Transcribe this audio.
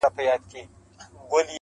د انسان زړه آیینه زړه یې صیقل دی،